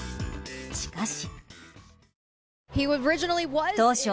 しかし。